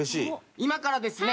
今からですね